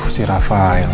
aduh si rafael lagi